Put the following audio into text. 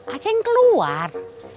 aceh yang keluar